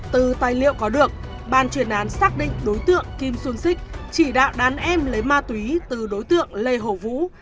từ tài liệu có được ban chuyên án xác định đối tượng kim xuân xích chỉ đạo đàn em lấy ma túy từ đối tượng lê hồ vũ